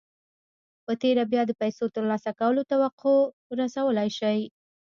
په تېره بيا د پيسو ترلاسه کولو توقع رسولای شئ.